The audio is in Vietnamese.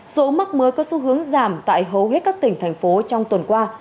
số mắc mới có xu hướng giảm tại hầu hết các tỉnh thành phố trong tuần qua